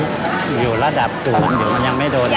อันนี้อยู่ระดับ๐มันเดี๋ยวมันยังไม่โดนไป